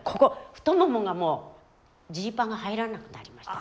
太ももがもうジーパンが入らなくなりました。